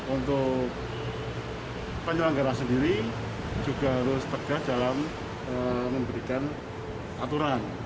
untuk penyelenggara sendiri juga harus tegas dalam memberikan aturan